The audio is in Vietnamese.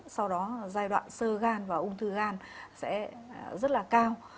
sau đó giai đoạn sơ gan và ung thư gan sẽ rất là cao